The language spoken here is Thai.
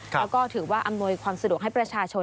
แล้วก็ถือว่าอำนวยความสะดวกให้ประชาชน